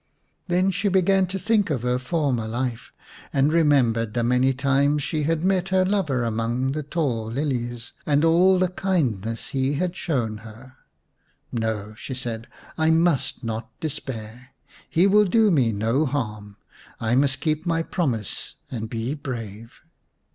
Then she began to think of her former life, and remembered the many times she had met her lover among the tall lilies, and all the kind ness he had shown her. " No," she said ; "I must not despair. He will do me no harm ; I must keep my promise and be brave."